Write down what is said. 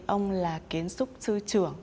ông là kiến súc sư trưởng